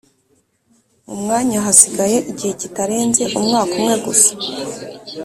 mu mwanya hasigaye igihe kitarenze umwaka umwe gusa